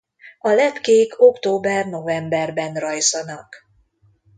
A lepkék október–novemberben rajzanak.